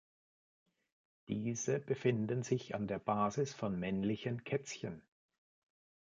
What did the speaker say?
Diese befinden sich an der Basis von männlichen Kätzchen.